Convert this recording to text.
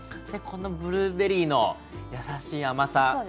このブルーベリーのやさしい甘さ。